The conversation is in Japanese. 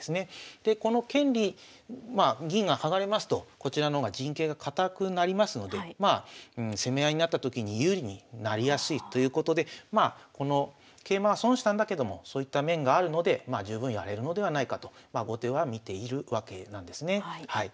でこの権利まあ銀が剥がれますとこちらの方が陣形が堅くなりますのでまあ攻め合いになったときに有利になりやすいということでまあこの桂馬は損したんだけどもそういった面があるのでまあ十分やれるのではないかと後手は見ているわけなんですね。